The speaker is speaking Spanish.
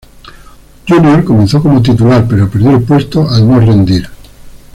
Junior comenzó como titular, pero perdió el puesto al no rendir.